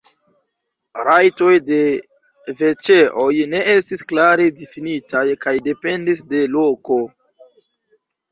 Rajtoj de veĉeoj ne estis klare difinitaj kaj dependis de loko.